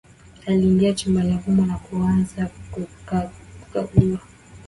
Aliingia chumbani humo na kuanza kukagua